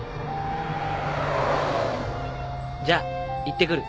じゃあいってくる。